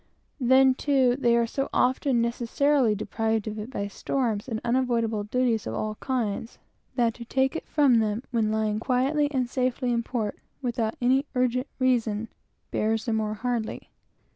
Then, too, they are often necessarily deprived of it by storms, and unavoidable duties of all kinds, that to take it from them when lying quietly and safely in port, without any urgent reason, bears the more hardly.